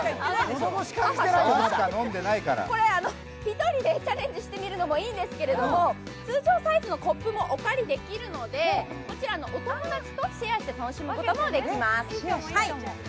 これ、１人でチャレンジしてみるのもいいんですけれども、通常サイズのコップもお借りできるので、こちら、お友達とシェアして楽しむこともできます。